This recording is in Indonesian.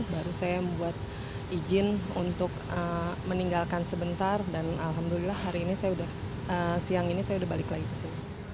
baru saya membuat izin untuk meninggalkan sebentar dan alhamdulillah hari ini saya sudah siang ini saya udah balik lagi ke sini